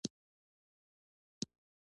پیلوټ د هر سفر کیسه لري.